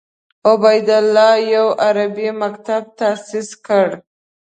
عبیدالله یو عربي مکتب تاسیس کړ.